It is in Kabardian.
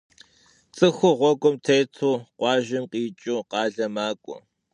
Ts'ıxur ğuegum têtu khuajjem khiç'ıu khalem mak'ue.